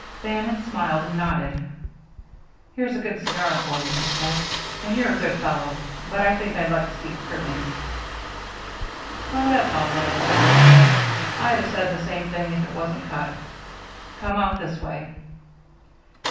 Bannon smiled and nodded. "Here's a good cigar for you," he said, "and you're a good fellow, but I think I'd like to see the cribbing." "Oh, that's all right," laughed Dennis. "I'd have said the same thing if it wasn't cut. Come out this way."